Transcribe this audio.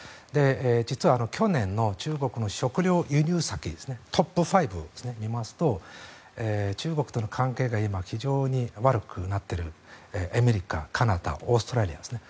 実は去年の中国の食料輸入先トップ５を見ますと中国との関係が今、非常に悪くなっているアメリカ、カナダオーストラリアですね。